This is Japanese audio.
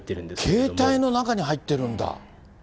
携帯の中に入ってるんだ。